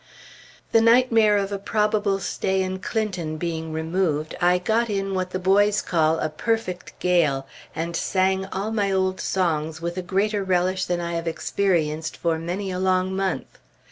The nightmare of a probable stay in Clinton being removed, I got in what the boys call a "perfect gale," and sang all my old songs with a greater relish than I have experienced for many a long month.